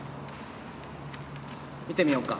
見てみようか。